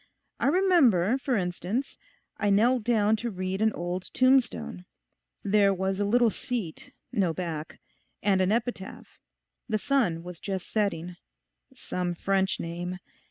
I remember, for instance, I knelt down to read an old tombstone. There was a little seat—no back. And an epitaph. The sun was just setting; some French name.